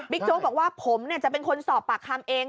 บิ๊กโจ้บอกว่าผมเนี่ยจะเป็นคนสอบปากคำเอง